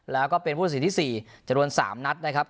แล้วก็เป็นผู้สินที่สี่จรวนสามนัดนะครับ